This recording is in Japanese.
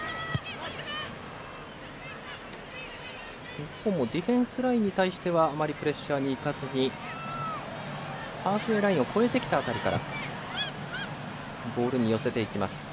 一方ディフェンスラインに対してはあまりプレッシャーにいかずにハーフウェーラインを越えてきた辺りからボールに寄せていきます。